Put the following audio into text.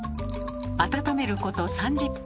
温めること３０分。